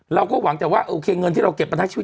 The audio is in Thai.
เราก็หวังแต่ว่าเงินที่เราเก็บประทับชีวิต